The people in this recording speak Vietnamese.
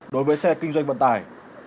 đối với xe kinh doanh vận tải